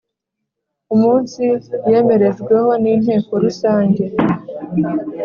umunsi yemerejweho n Inteko Rusange